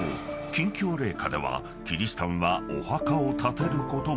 禁教令下ではキリシタンはお墓を立てることも禁止］